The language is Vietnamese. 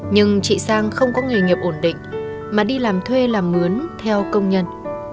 nhưng chị sang không có nghề nghiệp ổn định mà đi làm thuê làm mướn theo công nhân